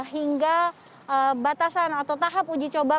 hingga batasan atau tahap uji coba